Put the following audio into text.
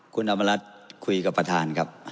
คุณอำมารัฐคุยกับประธานครับ